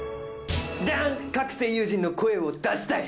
だん、各声優陣の声を出したい。